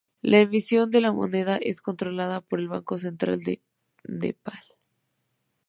La emisión de la moneda es controlada por el Banco Central de Nepal.